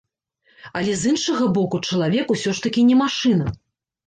Але з іншага боку, чалавек усё ж такі не машына.